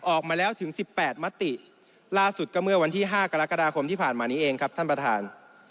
ออกมาแล้วถึง๑๘มติล่าสุดก็เมื่อวันที่๕กรกฎาคมที่ผ่านมานี้เองครับท่านประธาน